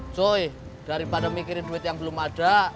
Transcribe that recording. joy daripada mikirin duit yang belum ada